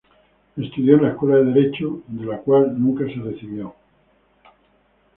Estudió en la Escuela de Derecho del cual nunca se recibió.